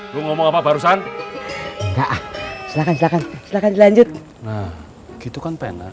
lu ngomong apa barusan silakan silakan silakan lanjut gitu kan penat